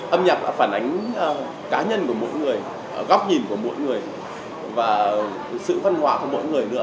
âm nhạc phản ánh cá nhân của mỗi người góc nhìn của mỗi người và sự văn hóa của mỗi người nữa